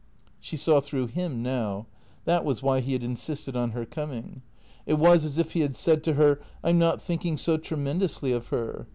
She saw through him now. That was why he had insisted on her coming. It was as if he had said to her, " I 'm not thinking so tremendously of her.